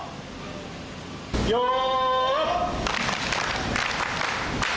よー！